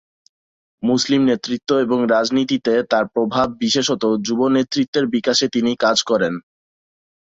মুসলিম নেতৃত্ব এবং রাজনীতিতে তার প্রভাব, বিশেষত যুব নেতৃত্বের বিকাশে তিনি কাজ করেন।